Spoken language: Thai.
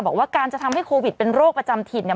บอกว่าการจะทำให้โควิดเป็นโรคประจำถิ่นเนี่ย